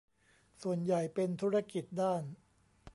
ส่วนใหญ่เป็นธุรกิจด้าน